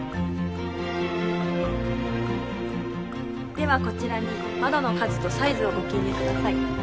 ではこちらに窓の数とサイズをご記入ください。